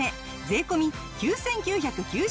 税込９９９０円。